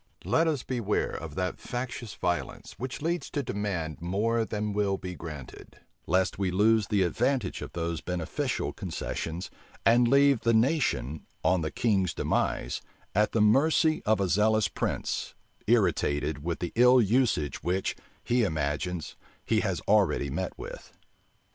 Let us beware of that factious violence, which leads to demand more than will be granted; lest we lose the advantage of those beneficial concessions, and leave the nation, on the king's demise, at the mercy of a zealous prince, irritated with the ill usage which, he imagines, he has already met with.